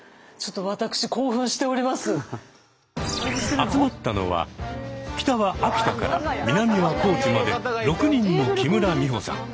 集まったのは北は秋田から南は高知まで６人の木村美穂さん。